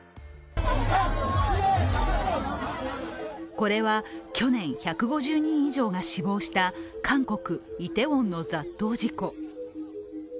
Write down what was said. これは去年１５０人以上が死亡した韓国イテウォンの雑踏事故。